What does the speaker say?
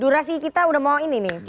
durasi kita udah mau ini nih